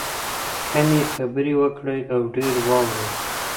کمې خبرې وکړئ او ډېر واورئ.